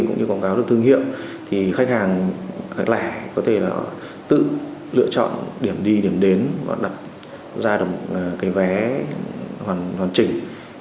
sau thương hiệu thì khách hàng khách lẻ có thể là họ tự lựa chọn điểm đi điểm đến và đặt ra được cái vé hoàn chỉnh